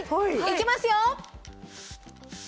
いきますよ！